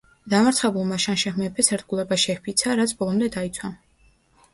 დამარცხებულმა შანშემ მეფეს ერთგულება შეჰფიცა, რაც ბოლომდე დაიცვა.